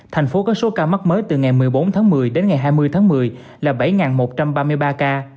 thành phố có số ca mắc mới từ ngày một mươi bốn tháng một mươi đến ngày hai mươi tháng một mươi là bảy một trăm ba mươi ba ca